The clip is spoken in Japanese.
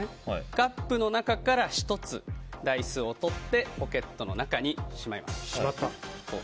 カップの中から１つダイスを取ってポケットの中にしまいます。